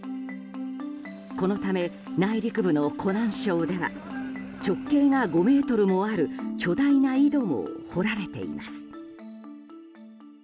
このため、内陸部の湖南省では直径が５ｍもある巨大な井戸も掘られています。